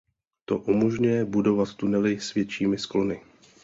To umožňuje budovat tunely s většími sklony.